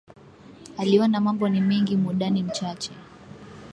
Aliona mambo ni mengi mud ani mchache